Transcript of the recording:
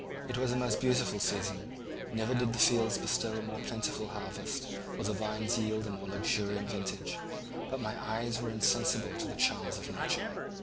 It was a most beautiful season; never did the fields bestow a more plentiful harvest or the vines yield a more luxuriant vintage, but my eyes were insensible to the charms of nature.